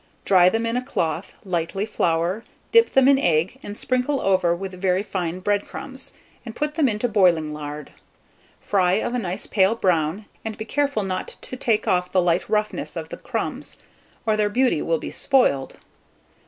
Dry them in a cloth, lightly flour, dip them in egg, and sprinkle over with very fine bread crumbs, and put them into boiling lard. Fry of a nice pale brown, and be careful not to take off the light roughness of the crumbs, or their beauty will be spoiled.